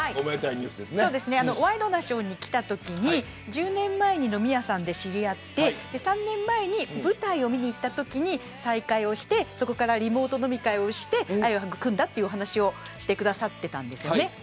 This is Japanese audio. ワイドナショーに来たときに１０年前に飲み屋さんで知り合って３年前に舞台を見に行ったときに再会してそこからリモート飲み会をして愛を育んだという話をしてくださいました。